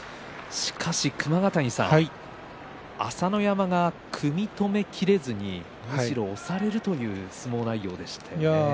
熊ヶ谷さん、朝乃山が組み止め切れずにむしろ押されるという相撲内容でした。